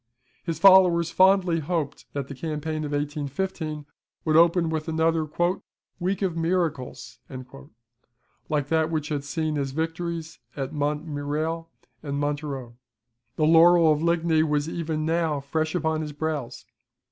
His followers fondly hoped that the campaign of 1815 would open with another "week of miracles," like that which had seen his victories at Montmirail and Montereau. The laurel of Ligny was even now fresh upon his brows.